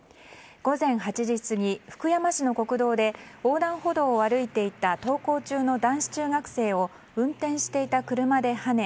午前８時過ぎ福山市の国道で横断歩道を歩いていた登校中の男子中学生を運転していた車ではね